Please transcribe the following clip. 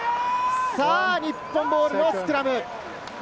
日本ボールのスクラム。